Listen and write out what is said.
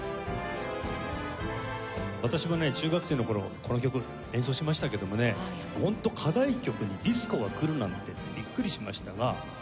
私もね中学生の頃この曲演奏しましたけどもねホント課題曲にディスコがくるなんてビックリしましたが。